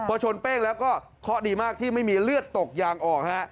พอชนเป้งแล้วก็เคาะดีมากที่ไม่มีเลือดตกยางออกฮะ